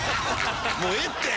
もうええって！